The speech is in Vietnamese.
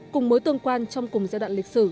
cùng mối tương quan trong cùng giai đoạn lịch sử